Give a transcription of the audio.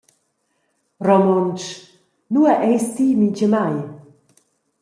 Romontsch: Nua eis ti mintgamai?